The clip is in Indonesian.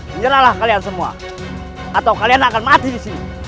menyerahlah kalian semua atau kalian akan mati disini